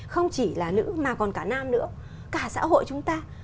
không chỉ là nữ mà còn cả nam nữa cả xã hội chúng ta